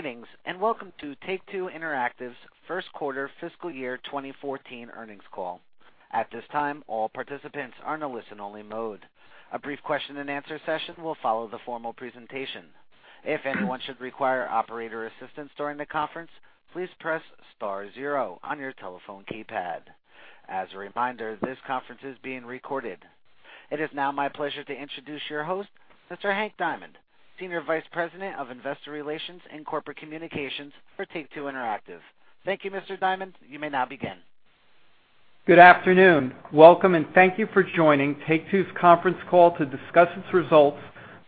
Greetings, and welcome to Take-Two Interactive's first quarter fiscal year 2014 earnings call. At this time, all participants are in a listen-only mode. A brief question and answer session will follow the formal presentation. If anyone should require operator assistance during the conference, please press star zero on your telephone keypad. As a reminder, this conference is being recorded. It is now my pleasure to introduce your host, Mr. Hank Diamond, Senior Vice President of Investor Relations and Corporate Communications for Take-Two Interactive. Thank you, Mr. Diamond. You may now begin. Good afternoon. Welcome, and thank you for joining Take-Two's conference call to discuss its results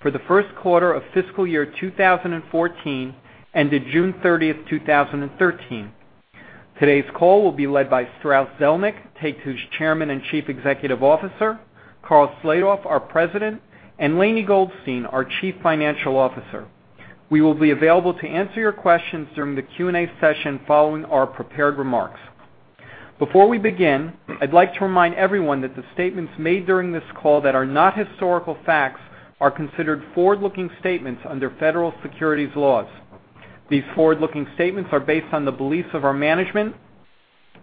for the first quarter of fiscal year 2014, ended June 30, 2013. Today's call will be led by Strauss Zelnick, Take-Two's Chairman and Chief Executive Officer, Karl Slatoff, our President, and Lainie Goldstein, our Chief Financial Officer. We will be available to answer your questions during the Q&A session following our prepared remarks. Before we begin, I'd like to remind everyone that the statements made during this call that are not historical facts are considered forward-looking statements under federal securities laws. These forward-looking statements are based on the beliefs of our management,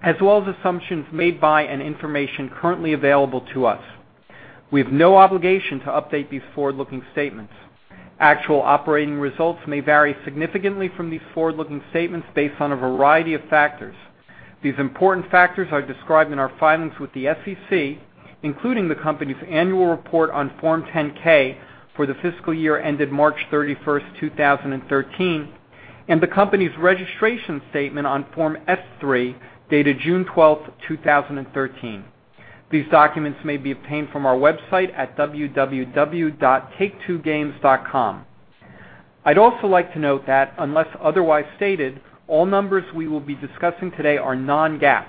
as well as assumptions made by and information currently available to us. We have no obligation to update these forward-looking statements. Actual operating results may vary significantly from these forward-looking statements based on a variety of factors. These important factors are described in our filings with the SEC, including the company's annual report on Form 10-K for the fiscal year ended March 31, 2013, and the company's registration statement on Form S-3 dated June 12, 2013. These documents may be obtained from our website at www.taketwogames.com. I'd also like to note that unless otherwise stated, all numbers we will be discussing today are non-GAAP.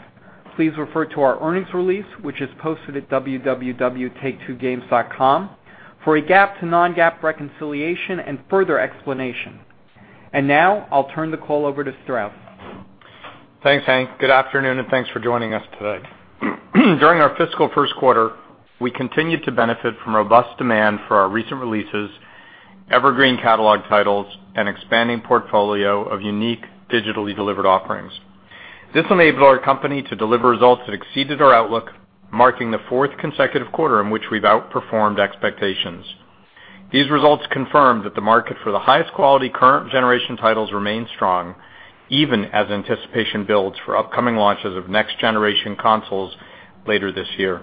Please refer to our earnings release, which is posted at www.taketwogames.com for a GAAP to non-GAAP reconciliation and further explanation. Now I'll turn the call over to Strauss. Thanks, Hank. Good afternoon, and thanks for joining us today. During our fiscal first quarter, we continued to benefit from robust demand for our recent releases, evergreen catalog titles, and expanding portfolio of unique digitally delivered offerings. This enabled our company to deliver results that exceeded our outlook, marking the fourth consecutive quarter in which we've outperformed expectations. These results confirm that the market for the highest quality current generation titles remain strong, even as anticipation builds for upcoming launches of next-generation consoles later this year.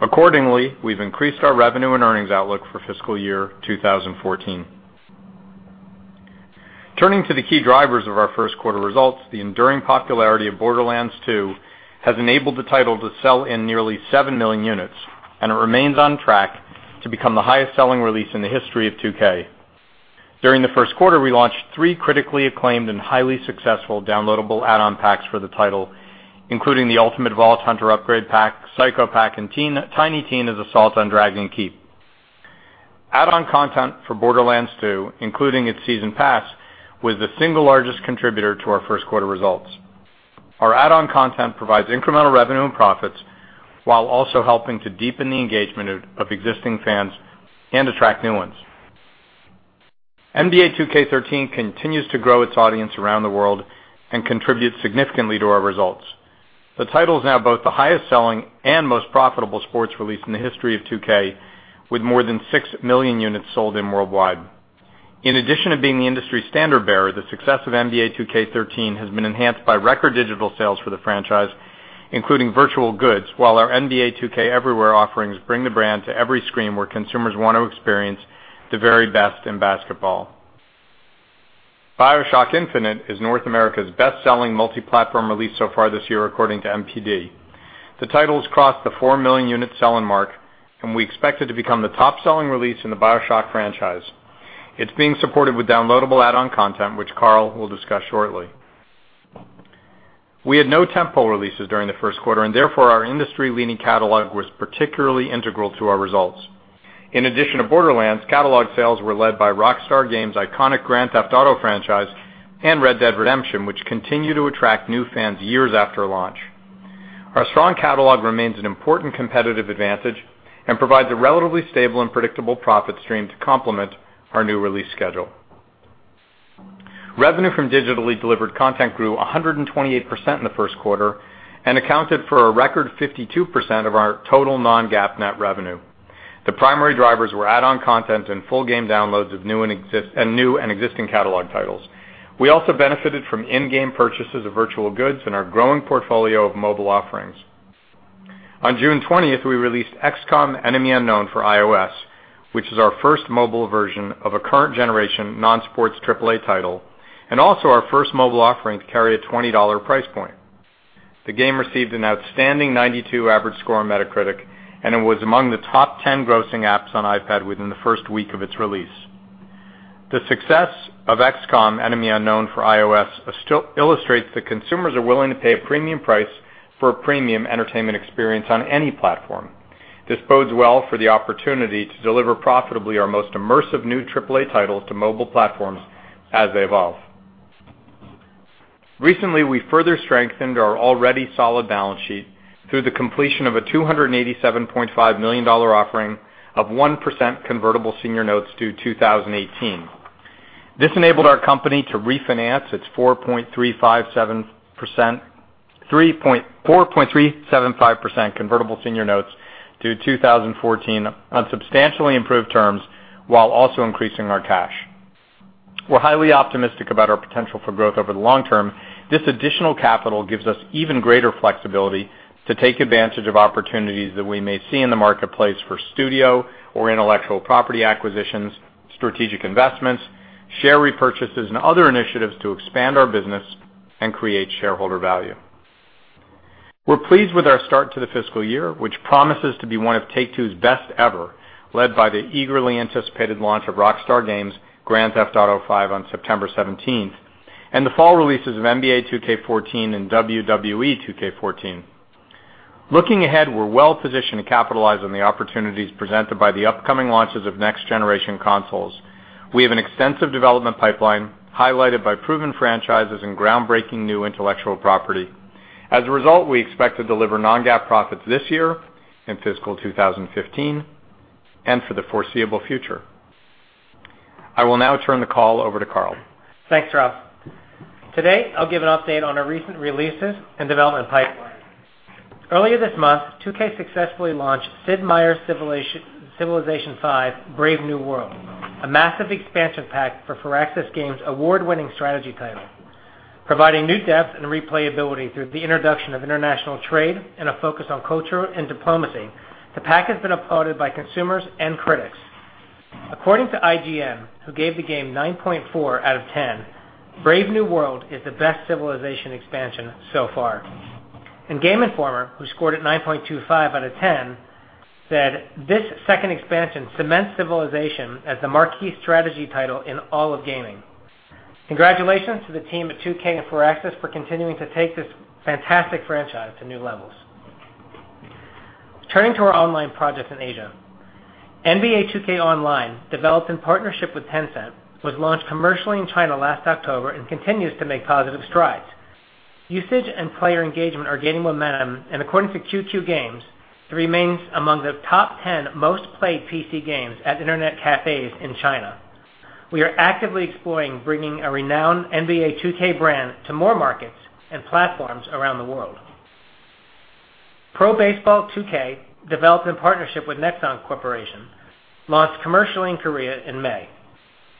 Accordingly, we've increased our revenue and earnings outlook for fiscal year 2014. Turning to the key drivers of our first quarter results, the enduring popularity of Borderlands 2 has enabled the title to sell in nearly seven million units, and it remains on track to become the highest-selling release in the history of 2K. During the first quarter, we launched three critically acclaimed and highly successful downloadable add-on packs for the title, including the Ultimate Vault Hunter Upgrade Pack, Psycho Pack, and Tiny Tina's Assault on Dragon Keep. Add-on content for Borderlands 2, including its season pass, was the single largest contributor to our first quarter results. Our add-on content provides incremental revenue and profits while also helping to deepen the engagement of existing fans and attract new ones. NBA 2K13 continues to grow its audience around the world and contributes significantly to our results. The title is now both the highest selling and most profitable sports release in the history of 2K, with more than 6 million units sold worldwide. In addition to being the industry standard-bearer, the success of NBA 2K13 has been enhanced by record digital sales for the franchise, including virtual goods, while our NBA 2K Everywhere offerings bring the brand to every screen where consumers want to experience the very best in basketball. BioShock Infinite is North America's best-selling multi-platform release so far this year, according to NPD. The title's crossed the 4 million unit selling mark, and we expect it to become the top-selling release in the BioShock franchise. It's being supported with downloadable add-on content, which Karl will discuss shortly. We had no tentpole releases during the first quarter, and therefore our industry-leading catalog was particularly integral to our results. In addition to Borderlands, catalog sales were led by Rockstar Games' iconic Grand Theft Auto franchise and Red Dead Redemption, which continue to attract new fans years after launch. Our strong catalog remains an important competitive advantage and provides a relatively stable and predictable profit stream to complement our new release schedule. Revenue from digitally delivered content grew 128% in the first quarter and accounted for a record 52% of our total non-GAAP net revenue. The primary drivers were add-on content and full game downloads of new and existing catalog titles. We also benefited from in-game purchases of virtual goods in our growing portfolio of mobile offerings. On June 20th, we released XCOM: Enemy Unknown for iOS, which is our first mobile version of a current generation non-sports AAA title and also our first mobile offering to carry a $20 price point. The game received an outstanding 92 average score on Metacritic, and it was among the top 10 grossing apps on iPad within the first week of its release. The success of XCOM: Enemy Unknown for iOS illustrates that consumers are willing to pay a premium price for a premium entertainment experience on any platform. This bodes well for the opportunity to deliver profitably our most immersive new AAA titles to mobile platforms as they evolve. Recently, we further strengthened our already solid balance sheet through the completion of a $287.5 million offering of 1% convertible senior notes due 2018. This enabled our company to refinance its 4.375% convertible senior notes due 2014 on substantially improved terms while also increasing our cash. We're highly optimistic about our potential for growth over the long term. This additional capital gives us even greater flexibility to take advantage of opportunities that we may see in the marketplace for studio or intellectual property acquisitions, strategic investments, share repurchases, and other initiatives to expand our business and create shareholder value. We're pleased with our start to the fiscal year, which promises to be one of Take-Two's best ever, led by the eagerly anticipated launch of Rockstar Games' "Grand Theft Auto V" on September 17th, and the fall releases of "NBA 2K14" and "WWE 2K14". Looking ahead, we're well-positioned to capitalize on the opportunities presented by the upcoming launches of next-generation consoles. We have an extensive development pipeline highlighted by proven franchises and groundbreaking new intellectual property. As a result, we expect to deliver non-GAAP profits this year, in fiscal 2015, and for the foreseeable future. I will now turn the call over to Karl. Thanks, Strauss. Today, I'll give an update on our recent releases and development pipeline. Earlier this month, 2K successfully launched "Sid Meier's Civilization V: Brave New World," a massive expansion pack for Firaxis Games' award-winning strategy title. Providing new depth and replayability through the introduction of international trade and a focus on culture and diplomacy, the pack has been applauded by consumers and critics. According to IGN, who gave the game 9.4 out of 10, "Brave New World is the best Civilization expansion so far." Game Informer, who scored it 9.25 out of 10, said, "This second expansion cements Civilization as the marquee strategy title in all of gaming." Congratulations to the team at 2K and Firaxis for continuing to take this fantastic franchise to new levels. Turning to our online projects in Asia. NBA 2K Online," developed in partnership with Tencent, was launched commercially in China last October and continues to make positive strides. Usage and player engagement are gaining momentum, and according to Tencent Games, it remains among the top 10 most-played PC games at internet cafes in China. We are actively exploring bringing a renowned NBA 2K brand to more markets and platforms around the world. "Pro Baseball 2K," developed in partnership with Nexon Corporation, launched commercially in Korea in May.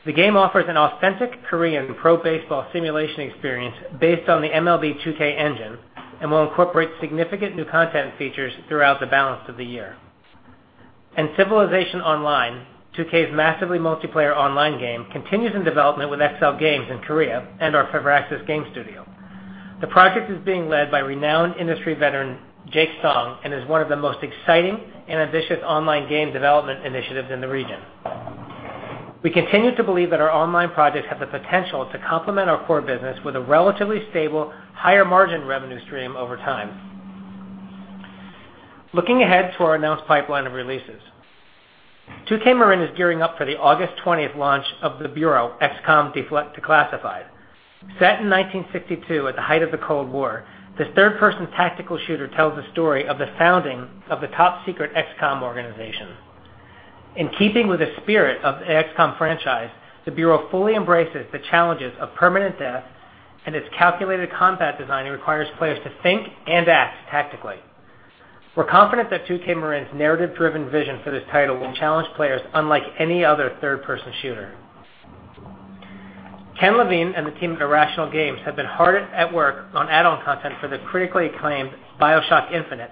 The game offers an authentic Korean pro baseball simulation experience based on the MLB 2K engine and will incorporate significant new content features throughout the balance of the year. Civilization Online, 2K's massively multiplayer online game, continues in development with XL Games in Korea and our Firaxis Games studio. The project is being led by renowned industry veteran Jake Song and is one of the most exciting and ambitious online game development initiatives in the region. We continue to believe that our online projects have the potential to complement our core business with a relatively stable, higher-margin revenue stream over time. Looking ahead to our announced pipeline of releases. 2K Marin is gearing up for the August 20th launch of "The Bureau: XCOM Declassified." Set in 1962 at the height of the Cold War, this third-person tactical shooter tells the story of the founding of the top-secret XCOM organization. In keeping with the spirit of the XCOM franchise, The Bureau fully embraces the challenges of permanent death, and its calculated combat design requires players to think and act tactically. We're confident that 2K Marin's narrative-driven vision for this title will challenge players unlike any other third-person shooter. Ken Levine and the team at Irrational Games have been hard at work on add-on content for the critically acclaimed "BioShock Infinite,"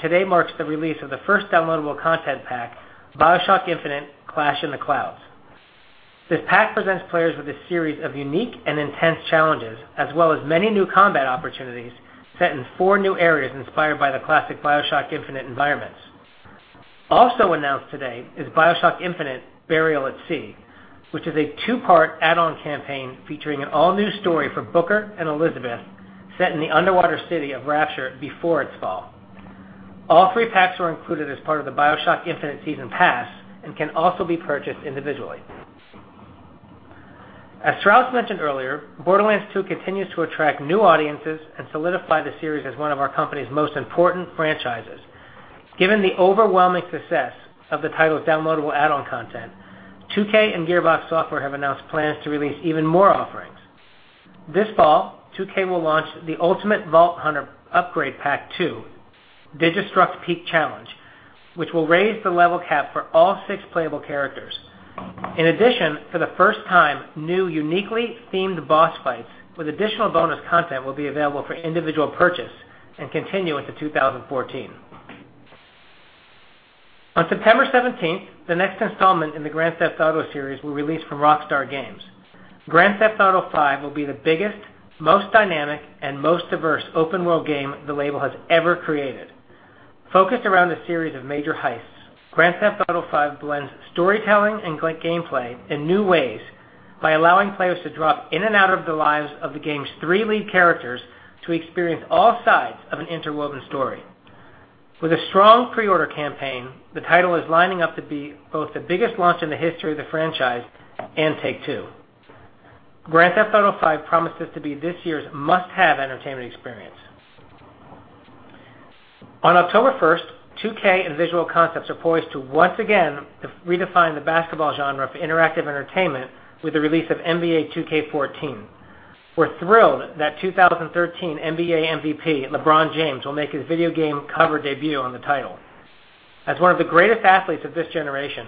today marks the release of the first downloadable content pack, "BioShock Infinite: Clash in the Clouds." This pack presents players with a series of unique and intense challenges, as well as many new combat opportunities set in four new areas inspired by the classic BioShock Infinite environments. Also announced today is "BioShock Infinite: Burial at Sea," which is a two-part add-on campaign featuring an all-new story for Booker and Elizabeth set in the underwater city of Rapture before its fall. All three packs are included as part of the BioShock Infinite Season Pass and can also be purchased individually. As Strauss mentioned earlier, "Borderlands 2" continues to attract new audiences and solidify the series as one of our company's most important franchises. Given the overwhelming success of the title's downloadable add-on content, 2K and Gearbox Software have announced plans to release even more offerings. This fall, 2K will launch "The Ultimate Vault Hunter Upgrade Pack 2: Digistruct Peak Challenge," which will raise the level cap for all six playable characters. In addition, for the first time, new uniquely themed boss fights with additional bonus content will be available for individual purchase and continue into 2014. On September 17th, the next installment in the Grand Theft Auto series will release from Rockstar Games. "Grand Theft Auto V" will be the biggest, most dynamic, and most diverse open-world game the label has ever created. Focused around a series of major heists, Grand Theft Auto V blends storytelling and gameplay in new ways by allowing players to drop in and out of the lives of the game's three lead characters to experience all sides of an interwoven story. With a strong pre-order campaign, the title is lining up to be both the biggest launch in the history of the franchise and Take-Two. "Grand Theft Auto V" promises to be this year's must-have entertainment experience. On October 1st, 2K and Visual Concepts are poised to once again redefine the basketball genre of interactive entertainment with the release of "NBA 2K14." We're thrilled that 2013 NBA MVP LeBron James will make his video game cover debut on the title. As one of the greatest athletes of this generation,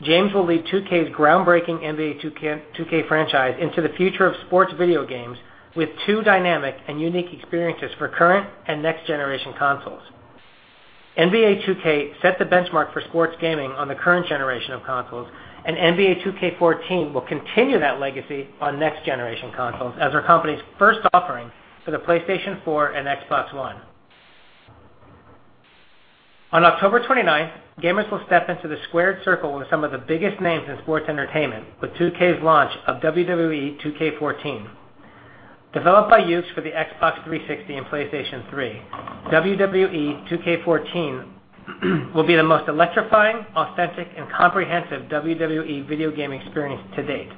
James will lead 2K's groundbreaking NBA 2K franchise into the future of sports video games with two dynamic and unique experiences for current and next-generation consoles. NBA 2K set the benchmark for sports gaming on the current generation of consoles, "NBA 2K14" will continue that legacy on next-generation consoles as our company's first offering for the PlayStation 4 and Xbox One. On October 29th, gamers will step into the squared circle with some of the biggest names in sports entertainment with 2K's launch of "WWE 2K14." Developed by Yuke's for the Xbox 360 and PlayStation 3, "WWE 2K14" will be the most electrifying, authentic, and comprehensive WWE video game experience to date.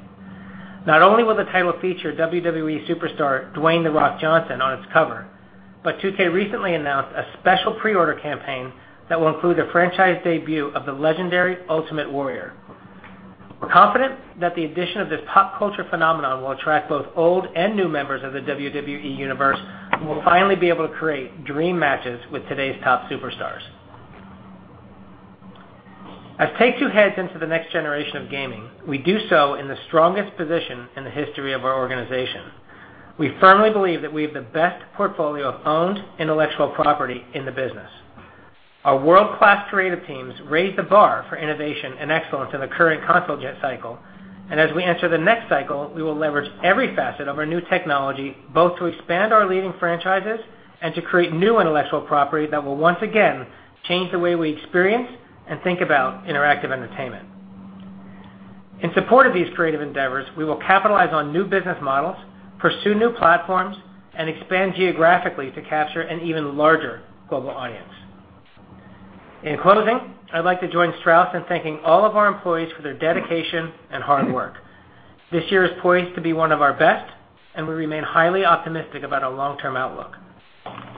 Not only will the title feature WWE superstar Dwayne "The Rock" Johnson on its cover, 2K recently announced a special pre-order campaign that will include the franchise debut of the legendary Ultimate Warrior. We're confident that the addition of this pop culture phenomenon will attract both old and new members of the WWE Universe, who will finally be able to create dream matches with today's top superstars. As Take-Two heads into the next generation of gaming, we do so in the strongest position in the history of our organization. We firmly believe that we have the best portfolio of owned intellectual property in the business. Our world-class creative teams raised the bar for innovation and excellence in the current console gen cycle. As we enter the next cycle, we will leverage every facet of our new technology, both to expand our leading franchises and to create new intellectual property that will once again change the way we experience and think about interactive entertainment. In support of these creative endeavors, we will capitalize on new business models, pursue new platforms, and expand geographically to capture an even larger global audience. In closing, I'd like to join Strauss in thanking all of our employees for their dedication and hard work. This year is poised to be one of our best, and we remain highly optimistic about our long-term outlook.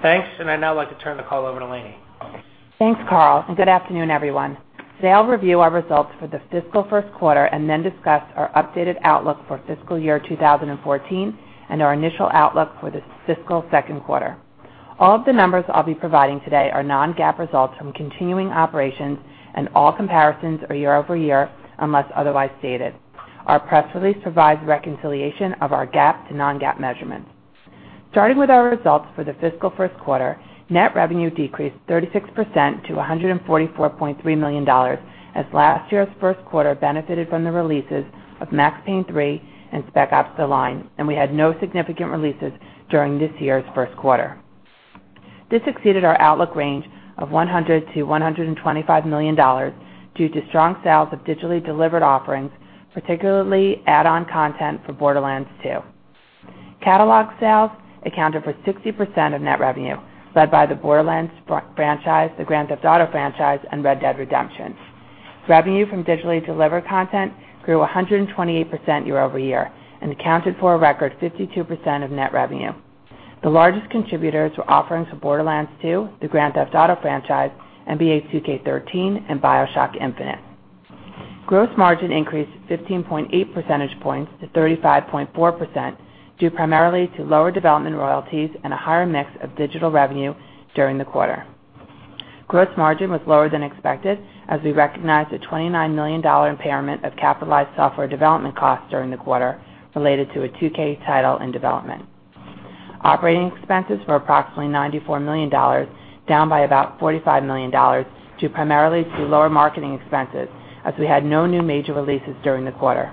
Thanks. I'd now like to turn the call over to Lainie. Thanks, Karl. Good afternoon, everyone. Today, I'll review our results for the fiscal first quarter and then discuss our updated outlook for fiscal year 2014 and our initial outlook for the fiscal second quarter. All of the numbers I'll be providing today are non-GAAP results from continuing operations, and all comparisons are year-over-year unless otherwise stated. Our press release provides reconciliation of our GAAP to non-GAAP measurements. Starting with our results for the fiscal first quarter, net revenue decreased 36% to $144.3 million as last year's first quarter benefited from the releases of "Max Payne 3" and "Spec Ops: The Line." We had no significant releases during this year's first quarter. This exceeded our outlook range of $100 million-$125 million due to strong sales of digitally delivered offerings, particularly add-on content for Borderlands 2. Catalog sales accounted for 60% of net revenue, led by the Borderlands franchise, the Grand Theft Auto franchise, and Red Dead Redemption. Revenue from digitally delivered content grew 128% year-over-year and accounted for a record 52% of net revenue. The largest contributors were offerings for Borderlands 2, the Grand Theft Auto franchise, NBA 2K13, and BioShock Infinite. Gross margin increased 15.8 percentage points to 35.4%, due primarily to lower development royalties and a higher mix of digital revenue during the quarter. Gross margin was lower than expected as we recognized a $29 million impairment of capitalized software development costs during the quarter related to a 2K title in development. Operating expenses were approximately $94 million, down by about $45 million, due primarily to lower marketing expenses as we had no new major releases during the quarter.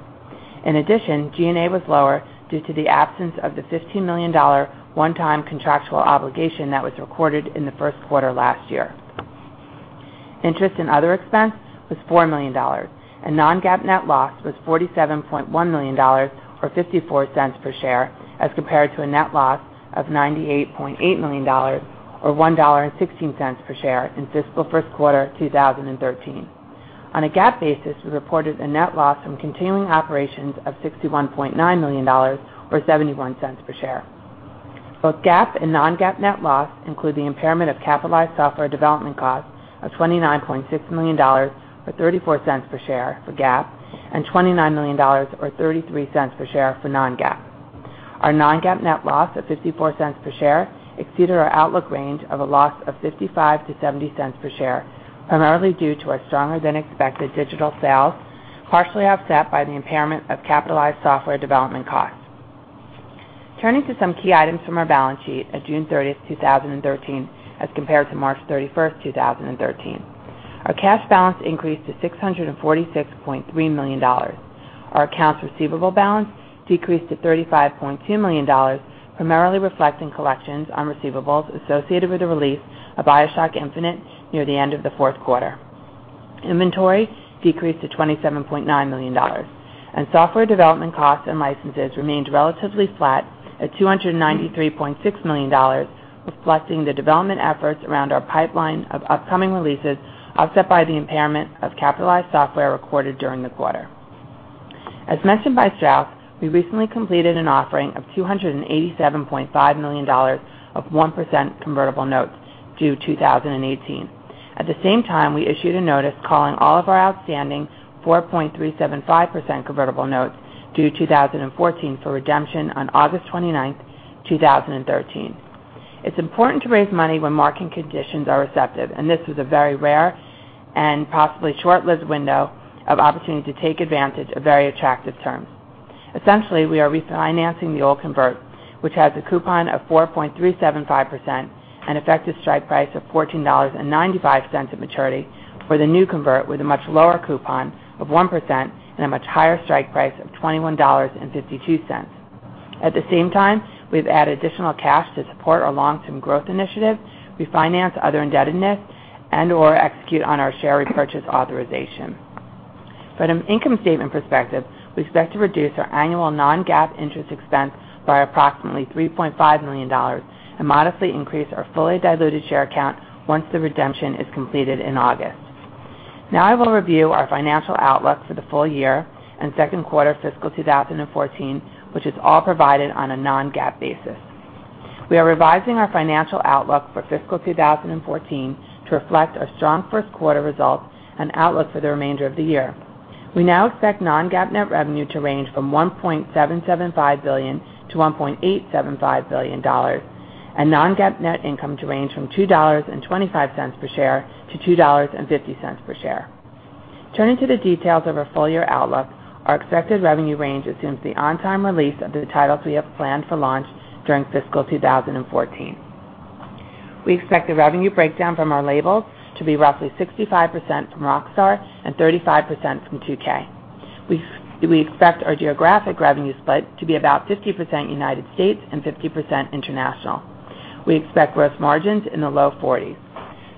In addition, G&A was lower due to the absence of the $15 million one-time contractual obligation that was recorded in the first quarter last year. Interest and other expense was $4 million, non-GAAP net loss was $47.1 million, or $0.54 per share, as compared to a net loss of $98.8 million, or $1.16 per share in fiscal first quarter 2013. On a GAAP basis, we reported a net loss from continuing operations of $61.9 million, or $0.71 per share. Both GAAP and non-GAAP net loss include the impairment of capitalized software development costs of $29.6 million, or $0.34 per share for GAAP, and $29 million or $0.33 per share for non-GAAP. Our non-GAAP net loss of $0.54 per share exceeded our outlook range of a loss of $0.55-$0.70 per share, primarily due to our stronger-than-expected digital sales, partially offset by the impairment of capitalized software development costs. Turning to some key items from our balance sheet at June 30, 2013, as compared to March 31, 2013. Our cash balance increased to $646.3 million. Our accounts receivable balance decreased to $35.2 million, primarily reflecting collections on receivables associated with the release of BioShock Infinite near the end of the fourth quarter. Inventory decreased to $27.9 million. Software development costs and licenses remained relatively flat at $293.6 million, reflecting the development efforts around our pipeline of upcoming releases, offset by the impairment of capitalized software recorded during the quarter. As mentioned by Strauss, we recently completed an offering of $287.5 million of 1% convertible notes due 2018. At the same time, we issued a notice calling all of our outstanding 4.375% convertible notes, due 2014 for redemption on August 29, 2013. It is important to raise money when market conditions are receptive, this was a very rare and possibly short-lived window of opportunity to take advantage of very attractive terms. Essentially, we are refinancing the old convert, which has a coupon of 4.375% and effective strike price of $14.95 at maturity for the new convert, with a much lower coupon of 1% and a much higher strike price of $21.52. At the same time, we have added additional cash to support our long-term growth initiative, refinance other indebtedness, and/or execute on our share repurchase authorization. From an income statement perspective, we expect to reduce our annual non-GAAP interest expense by approximately $3.5 million and modestly increase our fully diluted share count once the redemption is completed in August. I will review our financial outlook for the full year and second quarter fiscal 2014, which is all provided on a non-GAAP basis. We are revising our financial outlook for fiscal 2014 to reflect our strong first quarter results and outlook for the remainder of the year. We now expect non-GAAP net revenue to range from $1.775 billion-$1.875 billion, and non-GAAP net income to range from $2.25-$2.50 per share. Turning to the details of our full-year outlook, our expected revenue range assumes the on-time release of the titles we have planned for launch during fiscal 2014. We expect the revenue breakdown from our labels to be roughly 65% from Rockstar and 35% from 2K. We expect our geographic revenue split to be about 50% United States and 50% international. We expect growth margins in the low 40s.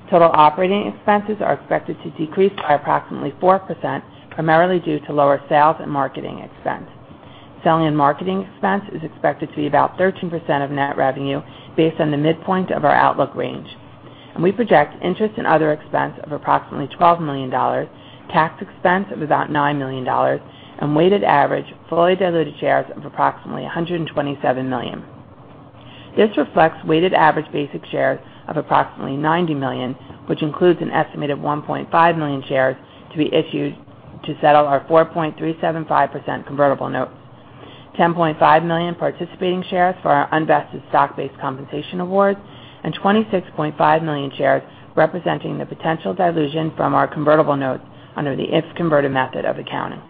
Total operating expenses are expected to decrease by approximately 4%, primarily due to lower sales and marketing expense. Selling and marketing expense is expected to be about 13% of net revenue based on the midpoint of our outlook range. We project interest and other expense of approximately $12 million, tax expense of about $9 million, and weighted average fully diluted shares of approximately 127 million. This reflects weighted average basic shares of approximately 90 million, which includes an estimated 1.5 million shares to be issued to settle our 4.375% convertible notes, 10.5 million participating shares for our unvested stock-based compensation awards, and 26.5 million shares representing the potential dilution from our convertible notes under the if-converted method of accounting.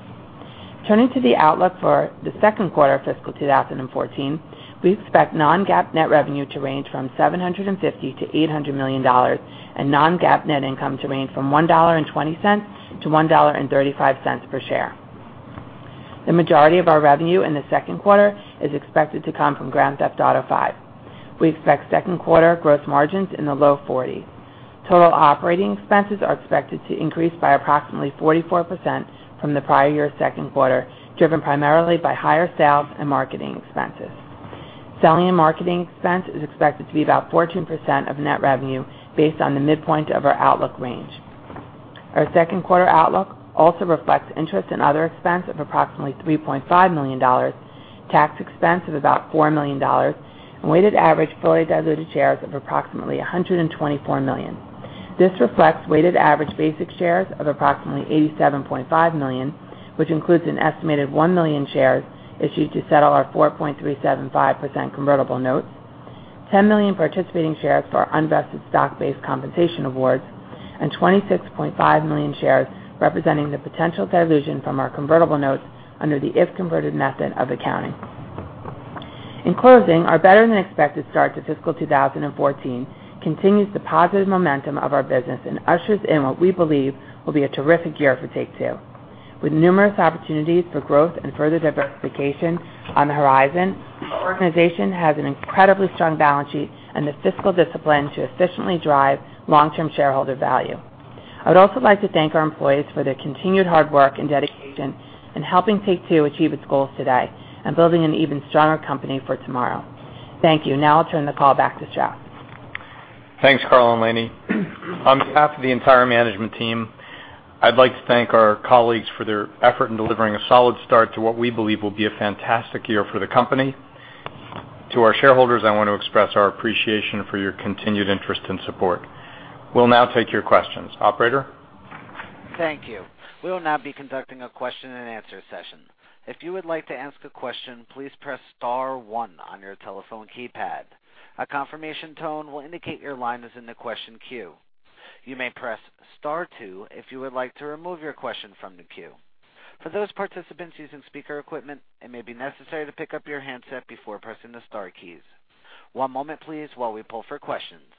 Turning to the outlook for the second quarter of fiscal 2014, we expect non-GAAP net revenue to range from $750 million to $800 million and non-GAAP net income to range from $1.20 to $1.35 per share. The majority of our revenue in the second quarter is expected to come from Grand Theft Auto V. We expect second quarter growth margins in the low 40s. Total operating expenses are expected to increase by approximately 44% from the prior year's second quarter, driven primarily by higher sales and marketing expenses. Selling and marketing expense is expected to be about 14% of net revenue based on the midpoint of our outlook range. Our second quarter outlook also reflects interest in other expense of approximately $3.5 million, tax expense of about $4 million, and weighted average fully diluted shares of approximately 124 million. This reflects weighted average basic shares of approximately 87.5 million, which includes an estimated 1 million shares issued to settle our 4.375% convertible notes, 10 million participating shares for our unvested stock-based compensation awards, and 26.5 million shares representing the potential dilution from our convertible notes under the if-converted method of accounting. In closing, our better-than-expected start to fiscal 2014 continues the positive momentum of our business and ushers in what we believe will be a terrific year for Take-Two. With numerous opportunities for growth and further diversification on the horizon, our organization has an incredibly strong balance sheet and the fiscal discipline to efficiently drive long-term shareholder value. I would also like to thank our employees for their continued hard work and dedication in helping Take-Two achieve its goals today and building an even stronger company for tomorrow. Thank you. I'll turn the call back to Strauss. Thanks, Karl and Lainie. On behalf of the entire management team, I'd like to thank our colleagues for their effort in delivering a solid start to what we believe will be a fantastic year for the company. To our shareholders, I want to express our appreciation for your continued interest and support. We'll now take your questions. Operator? Thank you. We will now be conducting a question and answer session. If you would like to ask a question, please press star one on your telephone keypad. A confirmation tone will indicate your line is in the question queue. You may press star two if you would like to remove your question from the queue. For those participants using speaker equipment, it may be necessary to pick up your handset before pressing the star keys. One moment, please, while we pull for questions.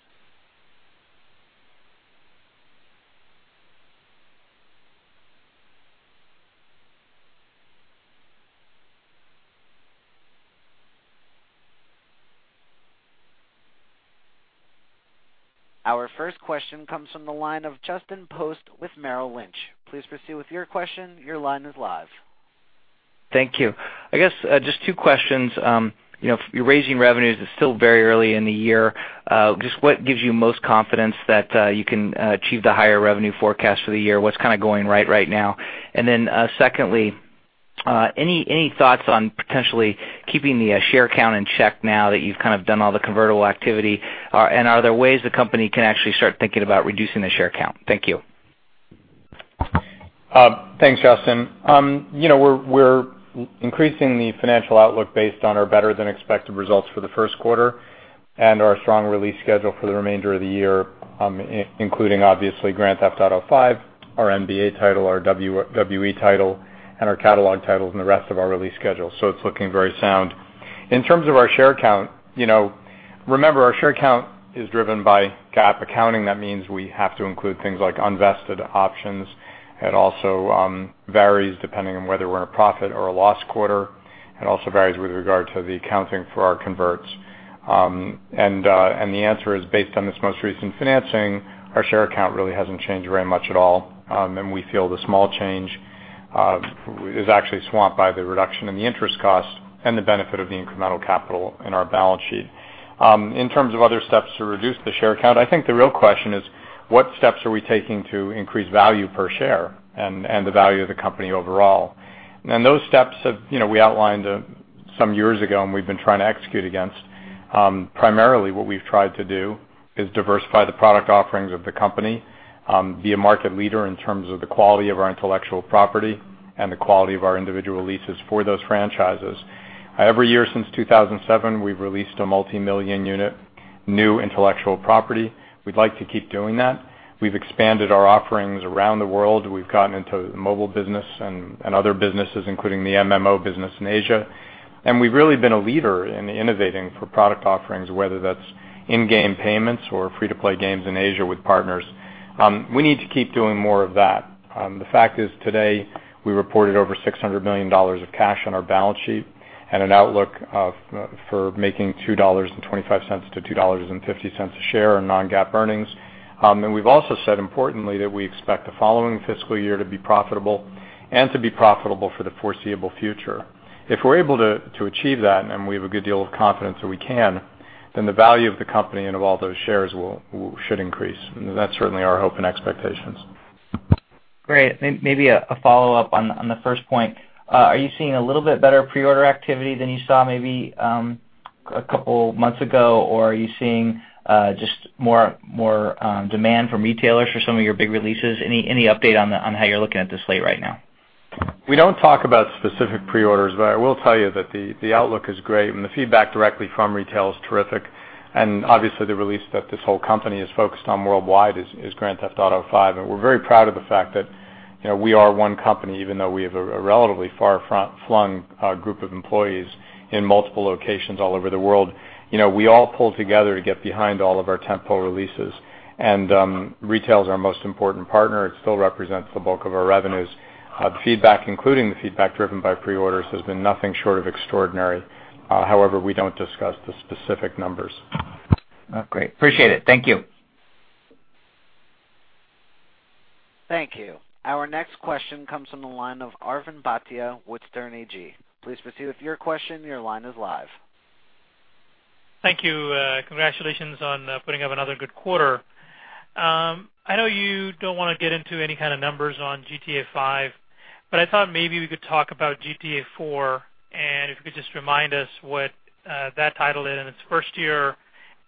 Our first question comes from the line of Justin Post with Merrill Lynch. Please proceed with your question. Your line is live. Thank you. I guess just two questions. You're raising revenues. It's still very early in the year. Just what gives you most confidence that you can achieve the higher revenue forecast for the year? What's going right now? Secondly, any thoughts on potentially keeping the share count in check now that you've done all the convertible activity? Are there ways the company can actually start thinking about reducing the share count? Thank you. Thanks, Justin. We're increasing the financial outlook based on our better than expected results for the first quarter and our strong release schedule for the remainder of the year, including obviously Grand Theft Auto V, our NBA title, our WWE title, and our catalog titles and the rest of our release schedule. It's looking very sound. In terms of our share count, remember our share count is driven by GAAP accounting. That means we have to include things like unvested options. It also varies depending on whether we're in a profit or a loss quarter. It also varies with regard to the accounting for our converts. The answer is, based on this most recent financing, our share count really hasn't changed very much at all. We feel the small change is actually swamped by the reduction in the interest cost and the benefit of the incremental capital in our balance sheet. In terms of other steps to reduce the share count, I think the real question is what steps are we taking to increase value per share and the value of the company overall? Those steps, we outlined some years ago, and we've been trying to execute against. Primarily what we've tried to do is diversify the product offerings of the company, be a market leader in terms of the quality of our intellectual property and the quality of our individual releases for those franchises. Every year since 2007, we've released a multimillion-unit, new intellectual property. We'd like to keep doing that. We've expanded our offerings around the world. We've gotten into the mobile business and other businesses, including the MMO business in Asia. We've really been a leader in innovating for product offerings, whether that's in-game payments or free-to-play games in Asia with partners. We need to keep doing more of that. The fact is, today, we reported over $600 million of cash on our balance sheet and an outlook for making $2.25-$2.50 a share in non-GAAP earnings. We've also said importantly, that we expect the following fiscal year to be profitable and to be profitable for the foreseeable future. If we're able to achieve that, and we have a good deal of confidence that we can, then the value of the company and of all those shares should increase. That's certainly our hope and expectations. Great. Maybe a follow-up on the first point. Are you seeing a little bit better pre-order activity than you saw maybe a couple months ago? Are you seeing just more demand from retailers for some of your big releases? Any update on how you're looking at this slate right now? We don't talk about specific pre-orders, I will tell you that the outlook is great and the feedback directly from retail is terrific. Obviously the release that this whole company is focused on worldwide is Grand Theft Auto V. We're very proud of the fact that we are one company, even though we have a relatively far-flung group of employees in multiple locations all over the world. We all pull together to get behind all of our tent-pole releases. Retail is our most important partner. It still represents the bulk of our revenues. The feedback, including the feedback driven by pre-orders, has been nothing short of extraordinary. However, we don't discuss the specific numbers. Oh, great. Appreciate it. Thank you. Thank you. Our next question comes from the line of Arvind Bhatia with Sterne Agee. Please proceed with your question. Your line is live. Thank you. Congratulations on putting up another good quarter. I know you don't want to get into any kind of numbers on "GTA V," but I thought maybe we could talk about "GTA IV." If you could just remind us what that title did in its first year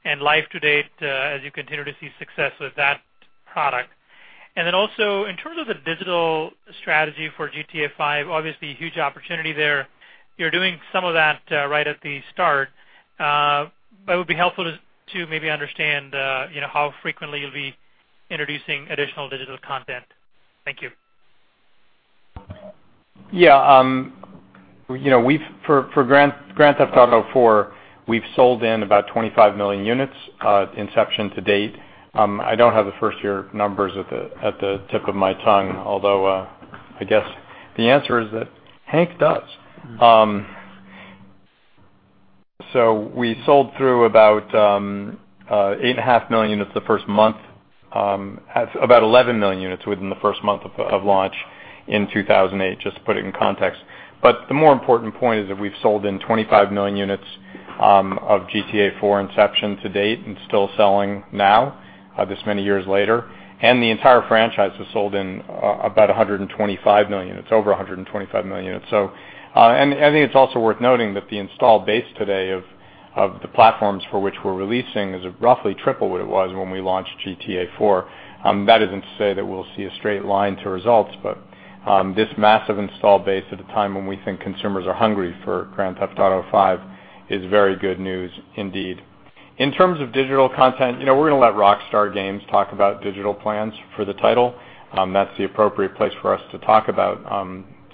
and life to date as you continue to see success with that product. In terms of the digital strategy for "GTA V," obviously a huge opportunity there. You're doing some of that right at the start. It would be helpful to maybe understand how frequently you'll be introducing additional digital content. Thank you. Yeah. For "Grand Theft Auto IV," we've sold in about 25 million units, inception to date. I don't have the first-year numbers at the tip of my tongue, although I guess the answer is that Hank does. We sold through about 8.5 million units the first month, about 11 million units within the first month of launch in 2008, just to put it in context. The more important point is that we've sold in 25 million units of "GTA IV" inception to date and still selling now, this many years later. The entire franchise has sold in about 125 million units, over 125 million units. I think it's also worth noting that the install base today of the platforms for which we're releasing is roughly triple what it was when we launched "GTA IV." That isn't to say that we'll see a straight line to results, but this massive install base at a time when we think consumers are hungry for "Grand Theft Auto V" is very good news indeed. In terms of digital content, we're going to let Rockstar Games talk about digital plans for the title. That's the appropriate place for us to talk about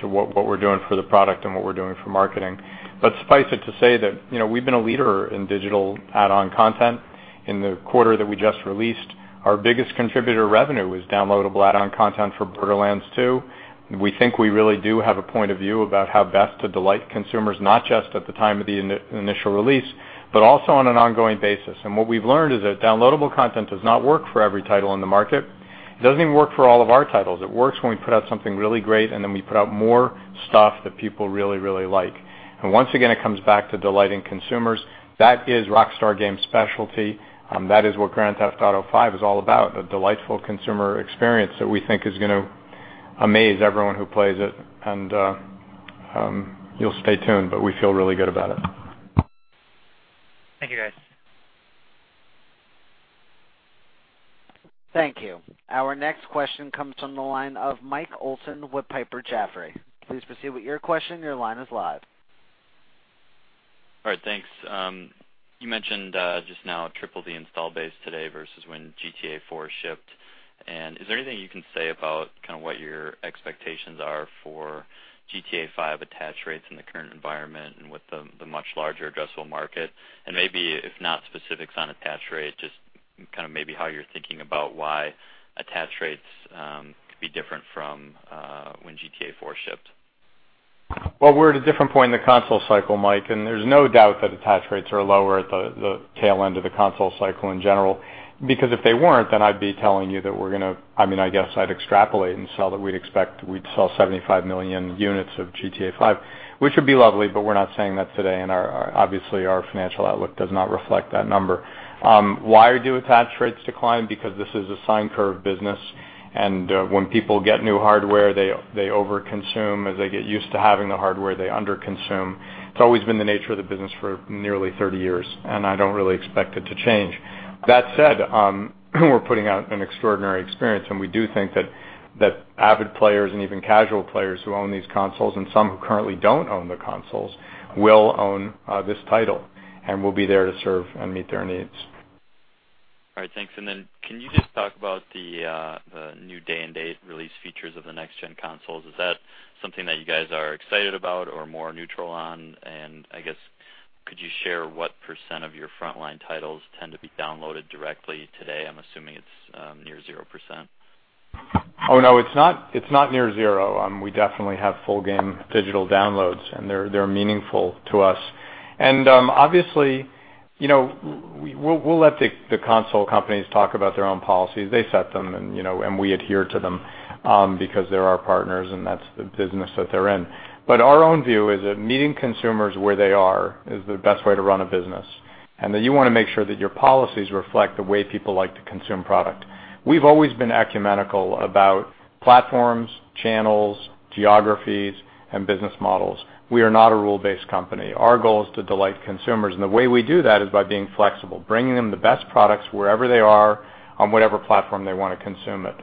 what we're doing for the product and what we're doing for marketing. Let's suffice it to say that we've been a leader in digital add-on content. In the quarter that we just released, our biggest contributor revenue was downloadable add-on content for "Borderlands 2." We think we really do have a point of view about how best to delight consumers, not just at the time of the initial release, but also on an ongoing basis. What we've learned is that downloadable content does not work for every title in the market. It doesn't even work for all of our titles. It works when we put out something really great, and then we put out more stuff that people really, really like. Once again, it comes back to delighting consumers. That is Rockstar Games specialty. That is what "Grand Theft Auto V" is all about, a delightful consumer experience that we think is going to amaze everyone who plays it. You'll stay tuned, but we feel really good about it. Thank you, guys. Thank you. Our next question comes from the line of Mike Olson with Piper Jaffray. Please proceed with your question. Your line is live. All right, thanks. You mentioned just now triple the install base today versus when "GTA IV" shipped. Is there anything you can say about kind of what your expectations are for "GTA V" attach rates in the current environment and with the much larger addressable market? Maybe if not specifics on attach rate, just maybe how you're thinking about why attach rates could be different from when "GTA IV" shipped. Well, we're at a different point in the console cycle, Mike, there's no doubt that attach rates are lower at the tail end of the console cycle in general. If they weren't, then I'd be telling you that I guess I'd extrapolate and say that we'd expect we'd sell 75 million units of "GTA V," which would be lovely, but we're not saying that today, obviously, our financial outlook does not reflect that number. Why do attach rates decline? This is a sine curve business, when people get new hardware, they overconsume. As they get used to having the hardware, they underconsume. It's always been the nature of the business for nearly 30 years, I don't really expect it to change. That said, we're putting out an extraordinary experience, we do think that avid players even casual players who own these consoles, some who currently don't own the consoles, will own this title, we'll be there to serve and meet their needs. All right, thanks. Can you just talk about the new day-and-date release features of the next-gen consoles? Is that something that you guys are excited about or more neutral on? I guess, could you share what % of your frontline titles tend to be downloaded directly today? I'm assuming it's near 0%. Oh, no, it's not near zero. We definitely have full game digital downloads, and they're meaningful to us. Obviously, we'll let the console companies talk about their own policies. They set them, and we adhere to them, because they're our partners and that's the business that they're in. Our own view is that meeting consumers where they are is the best way to run a business, and that you want to make sure that your policies reflect the way people like to consume product. We've always been ecumenical about platforms, channels, geographies, and business models. We are not a rule-based company. Our goal is to delight consumers, and the way we do that is by being flexible, bringing them the best products wherever they are, on whatever platform they want to consume it.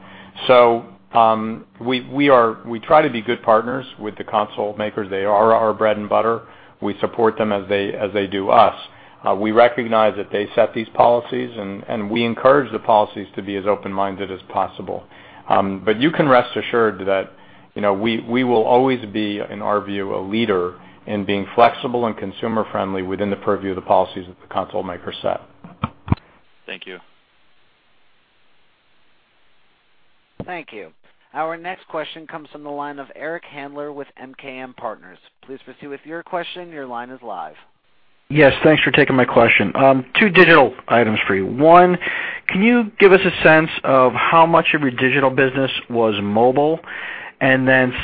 We try to be good partners with the console makers. They are our bread and butter. We support them as they do us. We recognize that they set these policies, and we encourage the policies to be as open-minded as possible. You can rest assured that we will always be, in our view, a leader in being flexible and consumer-friendly within the purview of the policies that the console makers set. Thank you. Thank you. Our next question comes from the line of Eric Handler with MKM Partners. Please proceed with your question. Your line is live. Yes, thanks for taking my question. Two digital items for you. One, can you give us a sense of how much of your digital business was mobile?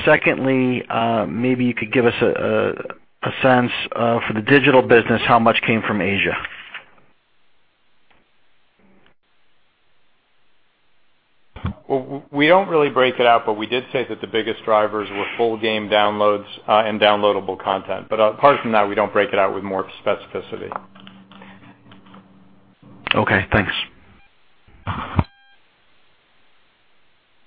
Secondly, maybe you could give us a sense of, for the digital business, how much came from Asia. Well, we don't really break it out, but we did say that the biggest drivers were full game downloads and downloadable content. Apart from that, we don't break it out with more specificity. Okay, thanks.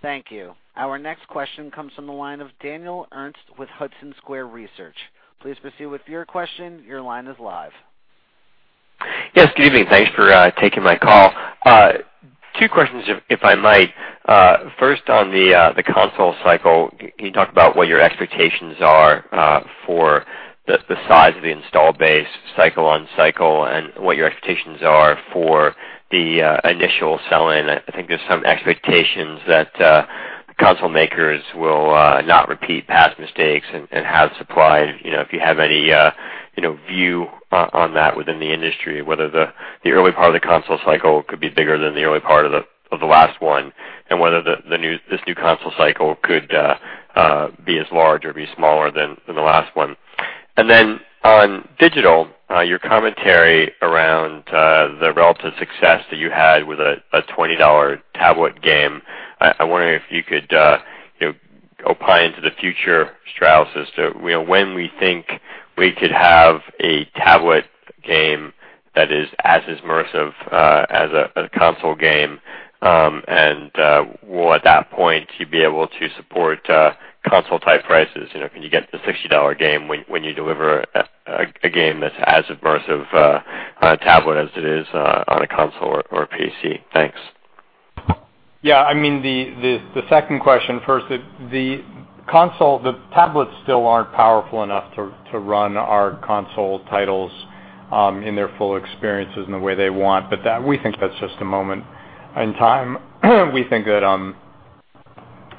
Thank you. Our next question comes from the line of Daniel Ernst with Hudson Square Research. Please proceed with your question. Your line is live. Yes, good evening. Thanks for taking my call. Two questions, if I might. First on the console cycle, can you talk about what your expectations are for the size of the install base cycle on cycle and what your expectations are for the initial sell-in? I think there's some expectations that console makers will not repeat past mistakes and have supply. If you have any view on that within the industry, whether the early part of the console cycle could be bigger than the early part of the last one, and whether this new console cycle could be as large or be smaller than the last one. On digital, your commentary around the relative success that you had with a $20 tablet game, I wonder if you could opine to the future, Strauss, as to when we think we could have a tablet game that is as immersive as a console game, and will at that point you be able to support console-type prices? Can you get the $60 game when you deliver a game that's as immersive on a tablet as it is on a console or a PC? Thanks. The second question first. The tablets still aren't powerful enough to run our console titles in their full experiences in the way they want, but we think that's just a moment in time. We think that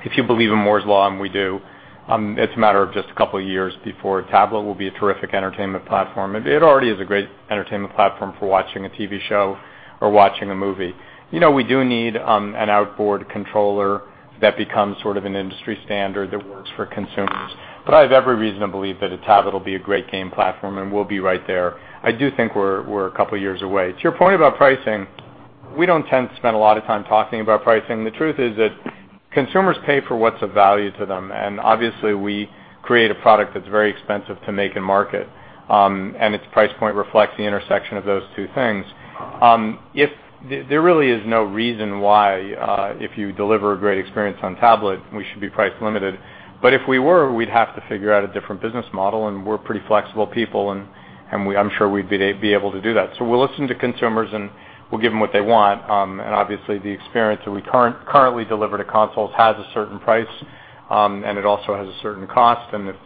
if you believe in Moore's Law, and we do, it's a matter of just a couple of years before a tablet will be a terrific entertainment platform. It already is a great entertainment platform for watching a TV show or watching a movie. We do need an outboard controller that becomes sort of an industry standard that works for consumers. I have every reason to believe that a tablet will be a great game platform, and we'll be right there. I do think we're a couple of years away. To your point about pricing, we don't tend to spend a lot of time talking about pricing. The truth is that consumers pay for what's of value to them. We create a product that's very expensive to make and market, and its price point reflects the intersection of those two things. There really is no reason why, if you deliver a great experience on tablet, we should be price limited. If we were, we'd have to figure out a different business model, and we're pretty flexible people, and I'm sure we'd be able to do that. We'll listen to consumers, and we'll give them what they want. The experience that we currently deliver to consoles has a certain price, and it also has a certain cost. If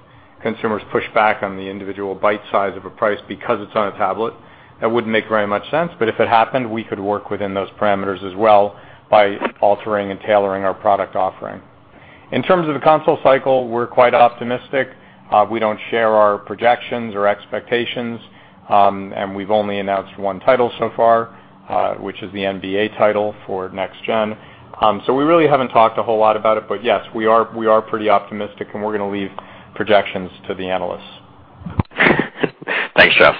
consumers push back on the individual bite size of a price because it's on a tablet, that wouldn't make very much sense. If it happened, we could work within those parameters as well by altering and tailoring our product offering. In terms of the console cycle, we're quite optimistic. We don't share our projections or expectations, and we've only announced one title so far, which is the NBA title for Next Gen. We really haven't talked a whole lot about it. Yes, we are pretty optimistic, and we're going to leave projections to the analysts. Thanks, Strauss.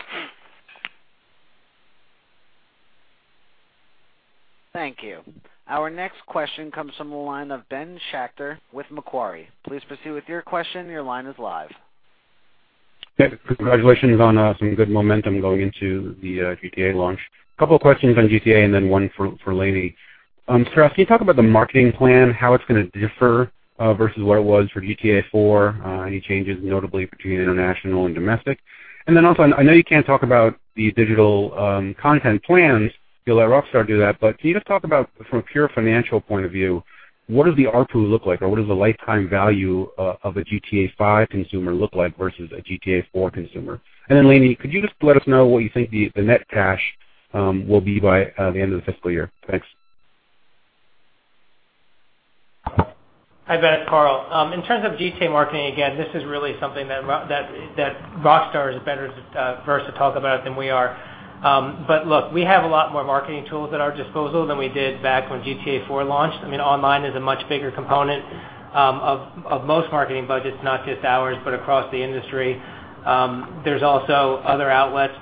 Thank you. Our next question comes from the line of Ben Schachter with Macquarie. Please proceed with your question. Your line is live. Congratulations on some good momentum going into the GTA launch. A couple of questions on GTA and then one for Lainie. Strauss, can you talk about the marketing plan, how it's going to differ versus what it was for GTA IV? Any changes, notably between international and domestic? Then also, I know you can't talk about the digital content plans, you'll let Rockstar do that, but can you just talk about, from a pure financial point of view, what does the ARPU look like, or what does the lifetime value of a GTA V consumer look like versus a GTA IV consumer? Then Lainie, could you just let us know what you think the net cash will be by the end of the fiscal year? Thanks. Hi, Ben. It's Karl. In terms of Grand Theft Auto marketing, again, this is really something that Rockstar Games is better versed to talk about than we are. Look, we have a lot more marketing tools at our disposal than we did back when Grand Theft Auto IV launched. Online is a much bigger component of most marketing budgets, not just ours, but across the industry. There's also other outlets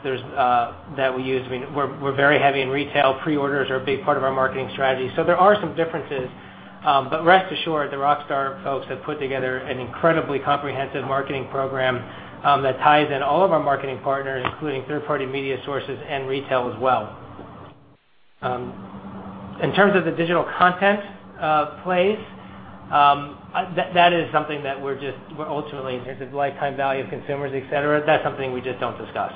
that we use. We're very heavy in retail. Pre-orders are a big part of our marketing strategy. There are some differences. Rest assured, the Rockstar Games folks have put together an incredibly comprehensive marketing program that ties in all of our marketing partners, including third-party media sources and retail as well. In terms of the digital content plays, that is something that we're ultimately, in terms of lifetime value of consumers, et cetera, that's something we just don't discuss.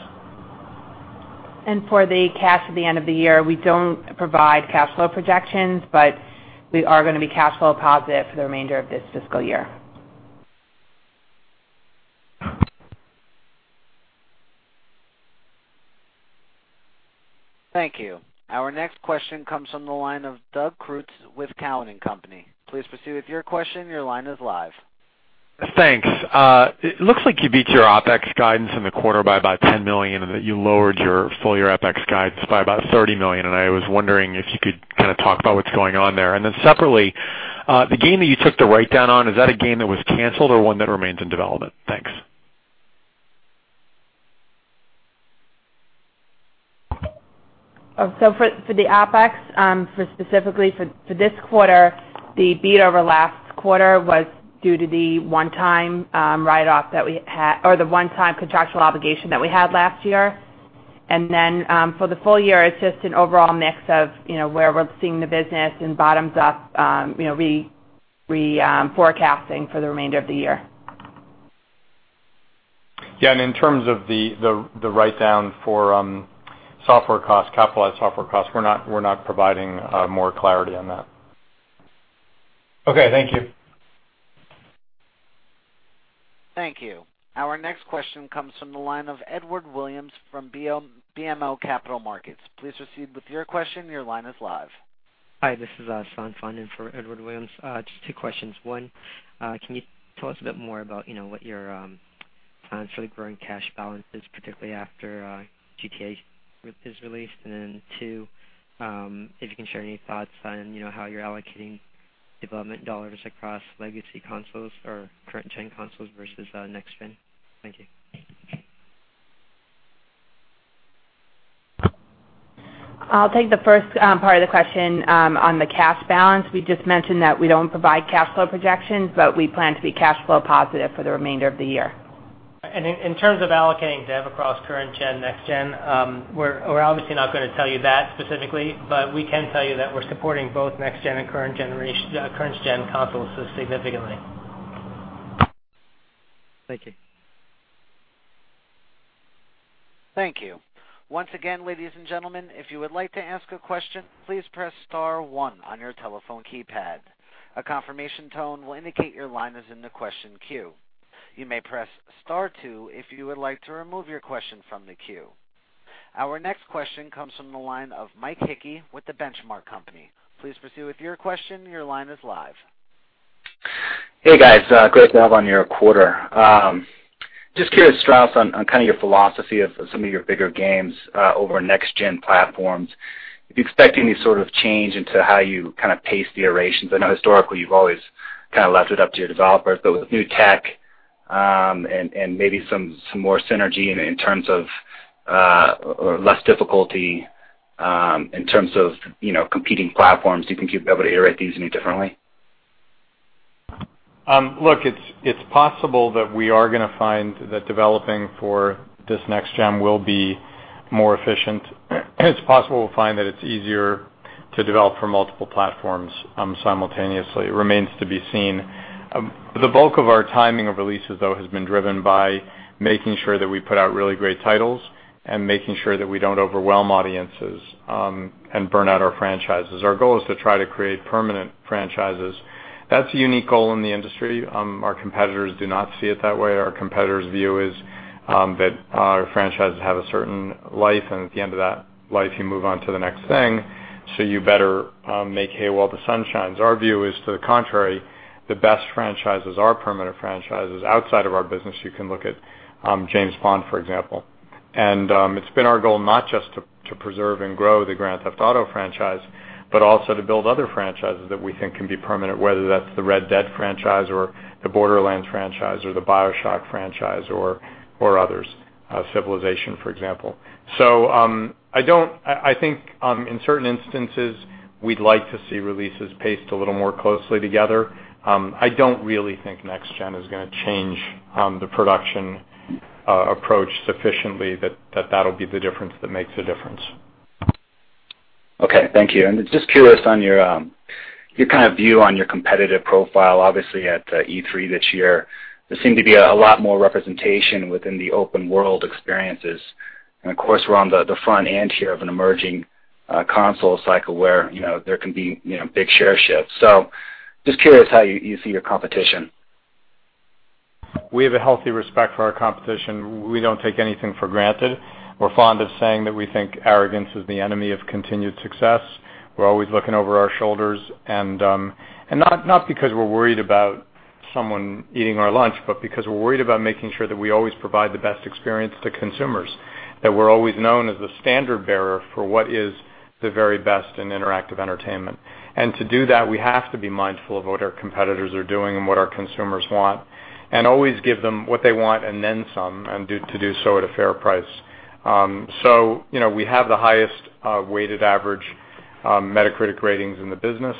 For the cash at the end of the year, we don't provide cash flow projections, but we are going to be cash flow positive for the remainder of this fiscal year. Thank you. Our next question comes from the line of Doug Creutz with Cowen and Company. Please proceed with your question. Your line is live. Thanks. It looks like you beat your OpEx guidance in the quarter by about $10 million, and that you lowered your full-year OpEx guidance by about $30 million, and I was wondering if you could kind of talk about what's going on there. Separately, the gain that you took the write-down on, is that a gain that was canceled or one that remains in development? Thanks. For the OpEx, specifically for this quarter, the beat over last quarter was due to the one-time contractual obligation that we had last year. For the full year, it's just an overall mix of where we're seeing the business and bottoms up reforecasting for the remainder of the year. In terms of the write-down for software costs, capitalized software costs, we're not providing more clarity on that. Thank you. Thank you. Our next question comes from the line of Edward Williams from BMO Capital Markets. Please proceed with your question. Your line is live. Hi, this is San Phan and for Edward Williams. Just two questions. One, can you tell us a bit more about what your growing cash balance is, particularly after GTA is released? Two, if you can share any thoughts on how you're allocating development dollars across legacy consoles or current gen consoles versus next gen. Thank you. I'll take the first part of the question on the cash balance. We just mentioned that we don't provide cash flow projections, but we plan to be cash flow positive for the remainder of the year. In terms of allocating dev across current gen, next gen, we're obviously not going to tell you that specifically, but we can tell you that we're supporting both next gen and current gen consoles significantly. Thank you. Thank you. Once again, ladies and gentlemen, if you would like to ask a question, please press star one on your telephone keypad. A confirmation tone will indicate your line is in the question queue. You may press star two if you would like to remove your question from the queue. Our next question comes from the line of Mike Hickey with The Benchmark Company. Please proceed with your question. Your line is live. Hey, guys. Great to have on your quarter. Just curious, Strauss, on your philosophy of some of your bigger games over next-gen platforms. If you're expecting any sort of change into how you pace the iterations. I know historically you've always left it up to your developers, with new tech, and maybe some more synergy in terms of less difficulty, in terms of competing platforms, do you think you'd be able to iterate these any differently? Look, it's possible that we are going to find that developing for this next-gen will be more efficient. It's possible we'll find that it's easier to develop for multiple platforms simultaneously. It remains to be seen. The bulk of our timing of releases, though, has been driven by making sure that we put out really great titles and making sure that we don't overwhelm audiences and burn out our franchises. Our goal is to try to create permanent franchises. That's a unique goal in the industry. Our competitors do not see it that way. Our competitors' view is that our franchises have a certain life, and at the end of that life, you move on to the next thing, so you better make hay while the sun shines. Our view is to the contrary, the best franchises are permanent franchises. Outside of our business, you can look at James Bond, for example. It's been our goal not just to preserve and grow the "Grand Theft Auto" franchise, but also to build other franchises that we think can be permanent, whether that's the "Red Dead" franchise or the "Borderlands" franchise or the "BioShock" franchise or others, "Civilization," for example. I think in certain instances, we'd like to see releases paced a little more closely together. I don't really think next-gen is going to change the production approach sufficiently that that'll be the difference that makes a difference. Okay. Thank you. Just curious on your view on your competitive profile. Obviously, at E3 this year, there seemed to be a lot more representation within the open world experiences. Of course, we're on the front end here of an emerging console cycle where there can be big share shifts. Just curious how you see your competition. We have a healthy respect for our competition. We don't take anything for granted. We're fond of saying that we think arrogance is the enemy of continued success. We're always looking over our shoulders, not because we're worried about someone eating our lunch, but because we're worried about making sure that we always provide the best experience to consumers, that we're always known as the standard-bearer for what is the very best in interactive entertainment. To do that, we have to be mindful of what our competitors are doing and what our consumers want, always give them what they want and then some, and to do so at a fair price. We have the highest weighted average Metacritic ratings in the business.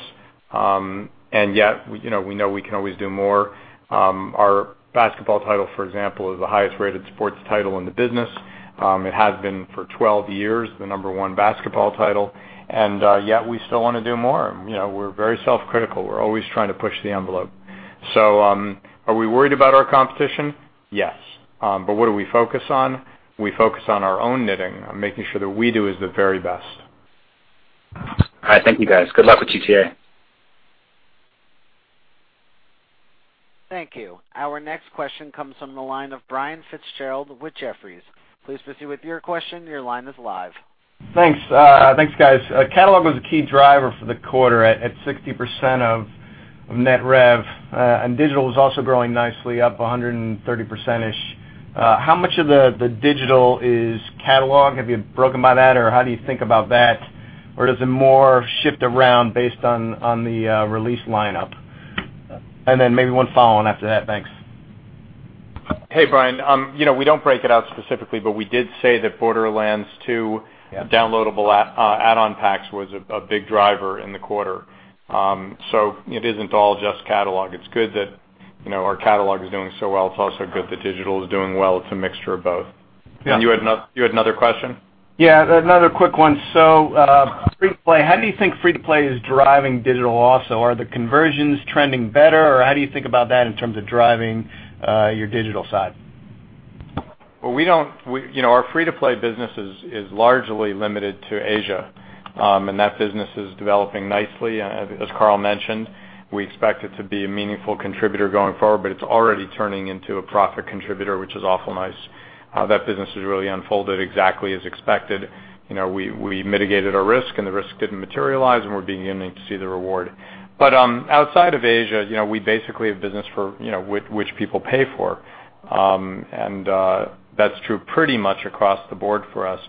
Yet, we know we can always do more. Our basketball title, for example, is the highest-rated sports title in the business. It has been for 12 years the number one basketball title, yet we still want to do more. We're very self-critical. We're always trying to push the envelope. Are we worried about our competition? Yes. What do we focus on? We focus on our own knitting, on making sure that we do is the very best. All right. Thank you, guys. Good luck with GTA. Thank you. Our next question comes from the line of Brian Fitzgerald with Jefferies. Please proceed with your question. Your line is live. Thanks. Thanks, guys. Catalog was a key driver for the quarter at 60% of net rev. Digital was also growing nicely up 130%-ish. How much of the digital is catalog? Have you broken by that or how do you think about that? Does it more shift around based on the release lineup? Then maybe one follow on after that. Thanks. Hey, Brian. We don't break it out specifically, we did say that Borderlands 2 downloadable add-on packs was a big driver in the quarter. It isn't all just catalog. It's good that our catalog is doing so well. It's also good that digital is doing well. It's a mixture of both. Yeah. You had another question? Yeah, another quick one. Free-to-play. How do you think free-to-play is driving digital also? Are the conversions trending better or how do you think about that in terms of driving your digital side? Our free-to-play business is largely limited to Asia, and that business is developing nicely. As Karl mentioned, we expect it to be a meaningful contributor going forward, but it's already turning into a profit contributor, which is awful nice. That business has really unfolded exactly as expected. We mitigated our risk and the risk didn't materialize and we're beginning to see the reward. Outside of Asia, we basically have business which people pay for, and that's true pretty much across the board for us.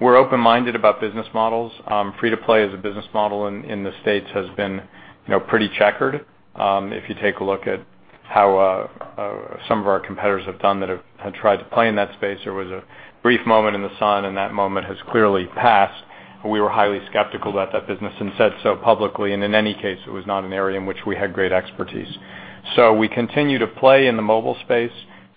We're open-minded about business models. Free-to-play as a business model in the States has been pretty checkered. If you take a look at how some of our competitors have done that have tried to play in that space, there was a brief moment in the sun and that moment has clearly passed. We were highly skeptical about that business and said so publicly, and in any case, it was not an area in which we had great expertise. We continue to play in the mobile space.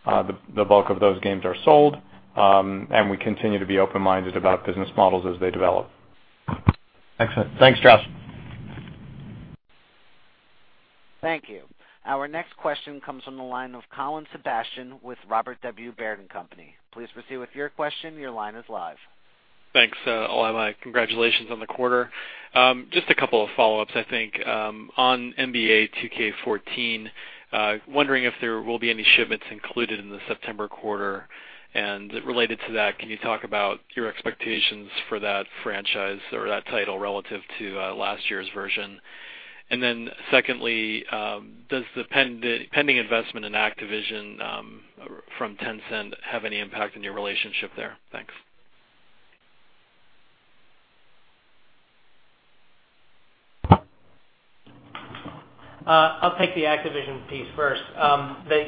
The bulk of those games are sold. We continue to be open-minded about business models as they develop. Excellent. Thanks, Strauss. Thank you. Our next question comes from the line of Colin Sebastian with Robert W. Baird & Co.. Please proceed with your question. Your line is live. Thanks. I'll add my congratulations on the quarter. Just a couple of follow-ups, I think, on NBA 2K14. Wondering if there will be any shipments included in the September quarter. Related to that, can you talk about your expectations for that franchise or that title relative to last year's version? Secondly, does the pending investment in Activision from Tencent have any impact on your relationship there? Thanks. I'll take the Activision piece first.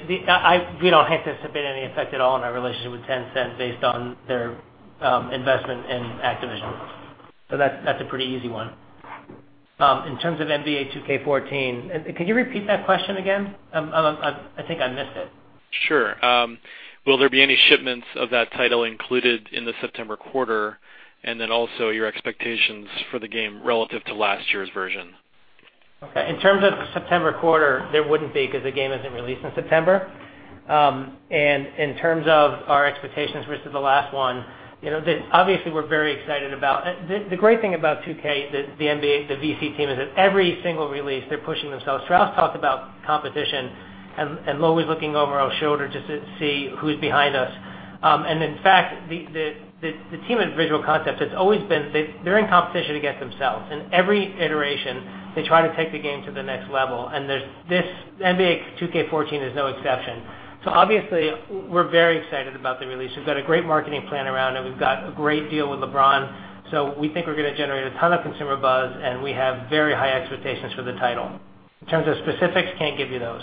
We don't anticipate any effect at all on our relationship with Tencent based on their investment in Activision. That's a pretty easy one. In terms of NBA 2K14, can you repeat that question again? I think I missed it. Sure. Will there be any shipments of that title included in the September quarter? Then also your expectations for the game relative to last year's version? Okay, in terms of the September quarter, there wouldn't be because the game isn't released in September. In terms of our expectations versus the last one, obviously we're very excited about the great thing about 2K, the NBA, the VC team is at every single release they're pushing themselves. Strauss talked about competition and always looking over our shoulder just to see who's behind us. In fact, the team at Visual Concepts, they're in competition against themselves, and every iteration they try to take the game to the next level, and NBA 2K14 is no exception. Obviously we're very excited about the release. We've got a great marketing plan around it. We've got a great deal with LeBron, so we think we're going to generate a ton of consumer buzz, and we have very high expectations for the title. In terms of specifics, can't give you those.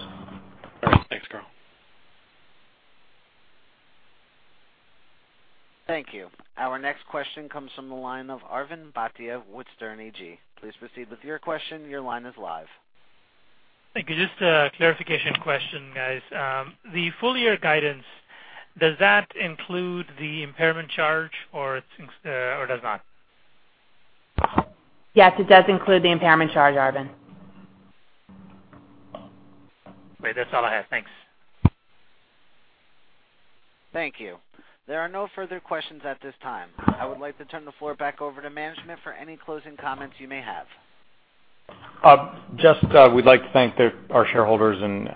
Thanks, Karl. Thank you. Our next question comes from the line of Arvind Bhatia with Sterne Agee. Please proceed with your question. Your line is live. Thank you. Just a clarification question, guys. The full-year guidance, does that include the impairment charge or does not? Yes, it does include the impairment charge, Arvind. Great. That's all I have. Thanks. Thank you. There are no further questions at this time. I would like to turn the floor back over to management for any closing comments you may have. Just we'd like to thank our shareholders and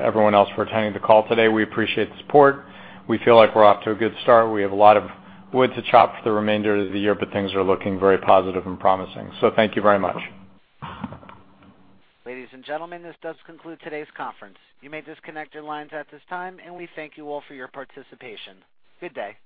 everyone else for attending the call today. We appreciate the support. We feel like we're off to a good start. We have a lot of wood to chop for the remainder of the year, things are looking very positive and promising. Thank you very much. Ladies and gentlemen, this does conclude today's conference. You may disconnect your lines at this time, and we thank you all for your participation. Good day.